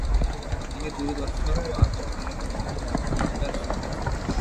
তিনি দূরদর্শন ও আকাশবাণীর প্রথম দিককার শিল্পী ছিলেন।